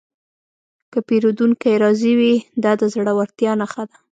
که پیرودونکی راضي وي، دا د زړورتیا نښه ده.